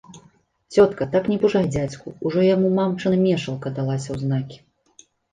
Цётка, так не пужай дзядзьку, ужо яму мамчына мешалка далася ў знакі.